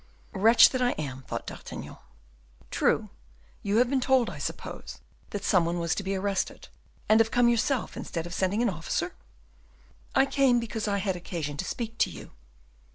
"Wretch that I am," thought D'Artagnan; "true, you have been told, I suppose, that some one was to be arrested, and have come yourself, instead of sending an officer?" "I came because I had occasion to speak to you."